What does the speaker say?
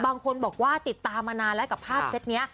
บางคนบอกว่าติดตามมานานแล้วกับภาพเซ็ตนี้